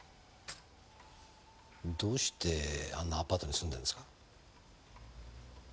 どうしてあんなアパートに住んでるんですか？